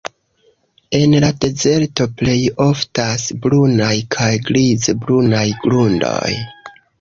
En la dezerto plej oftas brunaj kaj grize-brunaj grundoj.